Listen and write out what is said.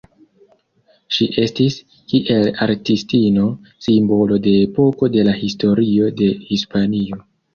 Ŝi estis, kiel artistino, simbolo de epoko de la historio de Hispanio.